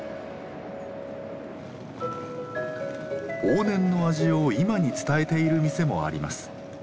往年の味を今に伝えている店もあります。